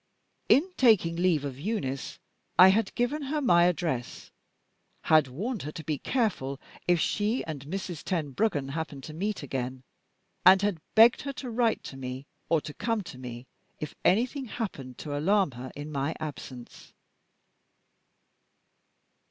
In taking leave of Eunice, I had given her my address; had warned her to be careful, if she and Mrs. Tenbruggen happened to meet again, and had begged her to write to me, or to come to me, if anything happened to alarm her in my absence.